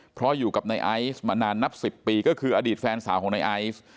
เพราะอยู่กับนายไอซ์มานานนับ๑๐ปีก็คืออดีตแฟนสาวของนายไอซ์